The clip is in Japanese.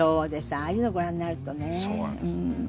ああいうのご覧になるとね。